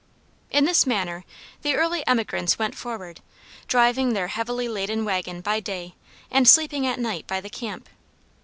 In this manner the earlier emigrants went forward, driving their heavily laden wagon by day and sleeping at night by the camp.